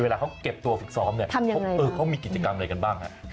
เวลาเขาเก็บตัวฝึกซ้อมเนี่ยเขามีกิจกรรมอะไรกันบ้างฮะ